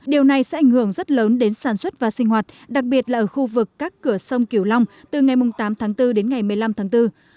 điều này sẽ ảnh hưởng rất lớn đến sản xuất và sinh hoạt đặc biệt là ở khu vực các cửa sông kiểu long từ ngày tám tháng bốn đến ngày một mươi năm tháng bốn